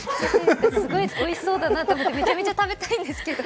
すごいおいしそうだなと思ってめちゃめちゃ食べたいんですけど。